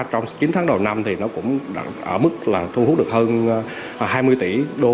trong chín tháng đầu năm thì nó cũng ở mức là thu hút được hơn hai mươi tỷ đô